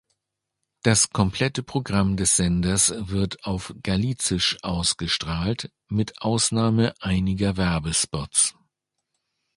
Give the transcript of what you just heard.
Das komplette Programm des Senders wird auf galicisch ausgestrahlt, mit Ausnahme einiger Werbespots.